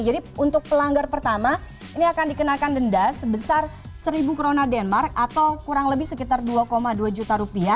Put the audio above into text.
jadi untuk pelanggar pertama ini akan dikenakan denda sebesar rp satu atau kurang lebih sekitar rp dua dua ratus